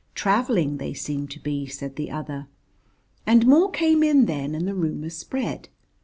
"Travelling they seem to be," said the other. And more came in then and the rumour spread.